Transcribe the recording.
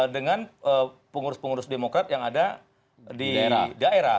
dengan pengurus pengurus demokrat yang ada di daerah